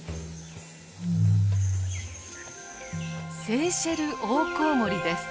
セーシェルオオコウモリです。